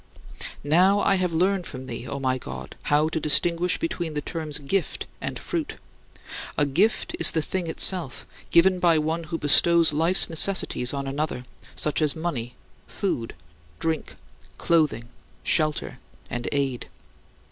" Now I have learned from thee, O my God, how to distinguish between the terms "gift" and "fruit." A "gift" is the thing itself, given by one who bestows life's necessities on another such as money, food, drink, clothing, shelter, and aid.